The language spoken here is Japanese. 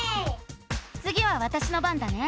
つぎはわたしの番だね。